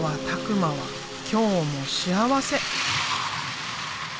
馬は今日も幸せ。